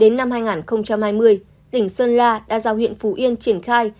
đến năm hai nghìn hai mươi tỉnh sơn la đã giao huyện phú yên triển khai